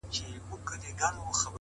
اوس هيڅ خبري مه كوی يارانو ليونيانو.!